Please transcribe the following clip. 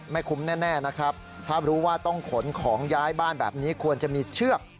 ไม่คุ้มแน่นะครับถ้ารู้ว่าต้องขนของย้ายบ้านแบบนี้ควรจะมีเชือก